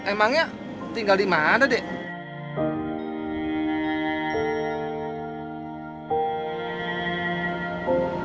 emangnya tinggal di mana dek